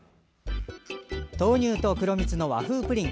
豆乳と黒蜜の和風プリン